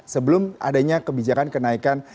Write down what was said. sebelum adanya kebijakan kenaikan